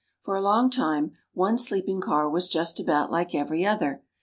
For a long time, one sleeping car was just about like every other.